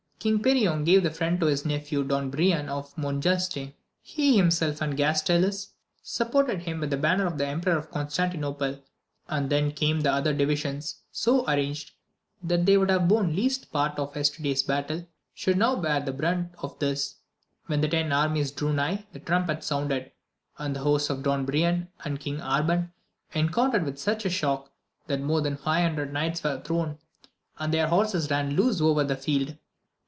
King Perion gave the front to his nephew Don Brian of Monjaste ; he himself and Gastiles supported him with the banner of the Emperor of Constan tinople; and then came the other divisions, so ar ranged, that they would have borne least part of yesterday's battle, should now bear the brunt of this. When the ten armies drew nigh, the trumpet sounded, and the hosts of Don Brian and King Arban encoun tered with such a shock, that more than five hundred knights were thrown, and their horses ran loose over the field.